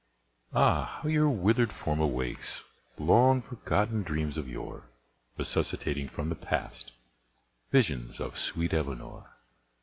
Ah, how your withered form awakes Long forgotten dreams of yore Resuscitating from the past Visions of sweet Eleanor!